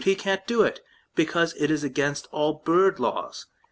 He can't do it, because 'T is against all bird laws.